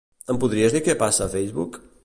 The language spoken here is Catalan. Em pots dir què passa a Facebook?